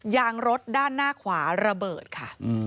ยางรถด้านหน้าขวาระเบิดค่ะ